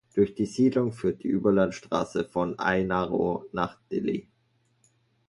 Durch die Siedlung führt die Überlandstraße von Ainaro nach Dili.